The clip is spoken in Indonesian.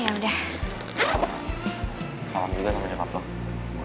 yang kero kesir game atau pilots aja oleh mu